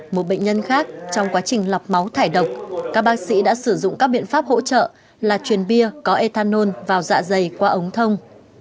một bệnh nhân khác trong quá trình lọc máu thải độc các bác sĩ đã sử dụng các biện pháp hỗ trợ là truyền bia có ethanol vào dạ dày qua ống thông